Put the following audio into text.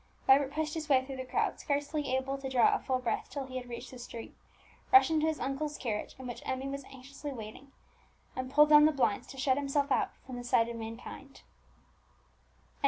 Vibert pushed his way through the crowd, scarcely able to draw a full breath till he had reached the street, rushed into his uncle's carriage, in which Emmie was anxiously waiting, and pulled down the blinds to shut himself out from the sight of mankind.